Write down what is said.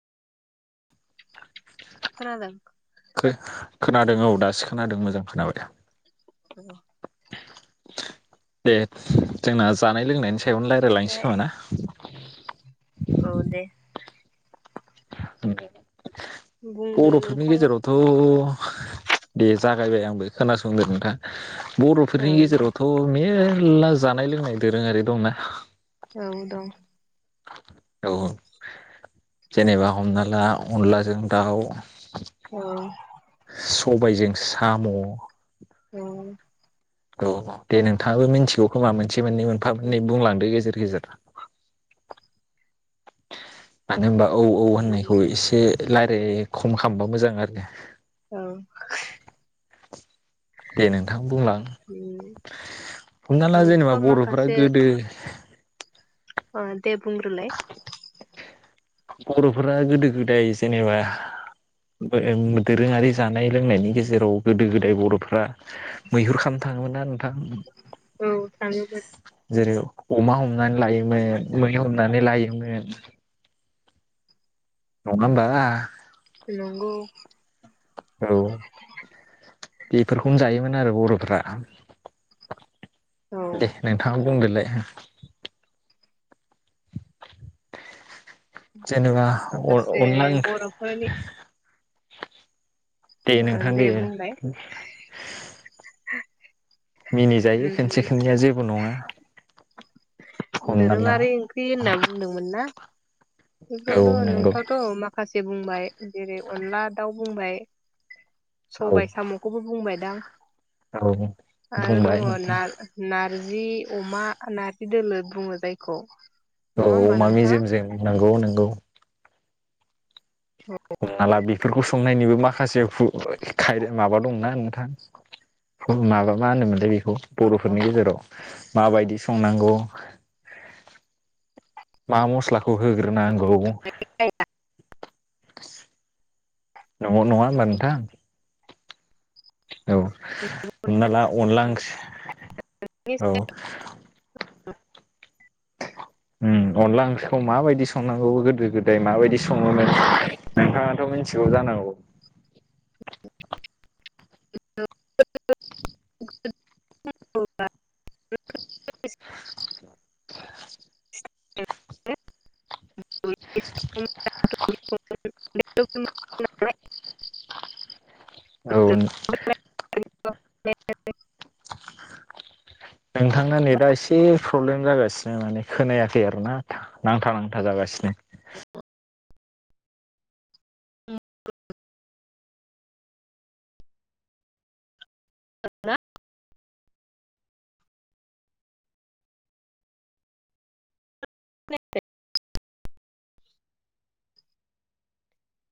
खोनादों। खोनादों औ दासो खोनादों मोजां खोनाबाय दा। [inaudible] दे जोंना जानाय लोंनायनि सायावनो औ रायज्लायलांसै दे खोमा ना औ द। उम। बुंदो बर'फोरनि नोंथाङा गेजेराव'थ' दे जागायबाय आंबो खोनासंदो नोंथां औ बर'फोरनि दे गेजेरावथ' मे मेलला जानाय -लोंनाय दोरोङारि दंना। औ दं औ जेनेबा हमना ला अनलाजों दाउ औ सबायजों साम' औ औ दे नोंथांङाबो मिथिगौ खोमा मोनसे मोननै मोनफा मोननै बुंलांदो गेजेर मानो होनबा औ औ होननायखौ एसे रायलाय खम खालामबा मोजां आरो औ दे नोंथां बुंलां हमना ला जेनेबा नोंथाङा बर'फ्रा गोदो अ दे बुंग्रोलाय बर'फोरा गोदो गोदाय जेनेबा दोरोङारि जानाय लोंनायनि गेजेराव जेराव गोदो गोदाय बर'फ्रा मैहुर खालामनो थाङोमोन ना नोंथां औ थाङोमोन जेरै अमा हमनानै लायोमोन मै हमनानै लायोमोन नंगौ [unintelligible] औ बेफोरखौनो जायोमोन आरो बर' औ [unintelligible] दे नोंथां [unintelligible] जेनेबा अ माखासे अनला बर'फोरनि दे नोंथां दे मिनिजायो खनसे खननैया जेबो नङा हमना ला दोरुंङारि ओंख्रि होनना बुंदोंमोन ना औ नंगौ बेफोरथ' [unintelligible] माखासे [unintelligible] बुंबाय [unintelligible] अनला दाव [unintelligible] औ सबाय साम'खौबो बुंबायदां औ [unintelligible] आरो दङ बुंबाय नोंथां ना नारजि अमा नारजि दोलो बुङो जायखौ औ नङा होमबा अमा नोंथां मेजेमजों नंगौ नोंगौ हमना ला बेफोरखौ संनायनिबो माखासे खाय माबा दंना नोंथां माबा मा होनोमोनलाय बर'फोरनि गेजेराव माबायदि संनांगौ मा मस्लाखौ होग्रोनांगौ [unintelligible] नङा होनबा [unintelligible] औ हमना ला अनला ओं [unintelligible] [unintelligible] ओम अनला ओंख्रिखौ माबायदि संनांगौ गोदो गोदाय माबायदि सङोमोन नोंथाङाथ' मिथिगौ जानांगौ [unintelligible] [unintelligible] [unintelligible] [unintelligible] औ औ बेबादिनो नोंथांना नेटआ एसे प्रब्लेम जागासिनो माने खोनायाखै आरोना नांथा नांथा जागासिनो औ आ खोनायाखै